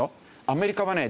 アメリカはね